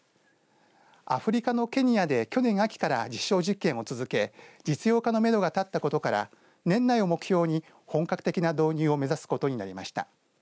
アフリカのケニアで去年秋から実証実験を続け実用化のめどが立ったことから年内を目標に本格的な導入を目指すことになりました。